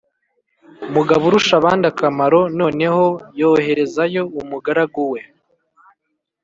mugaburushabandakamaro noneho yoherezayo umugaragu we